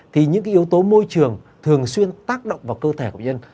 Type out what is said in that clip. thì những yếu tố môi trường thường xuyên tác động vào cơ thể của bệnh nhân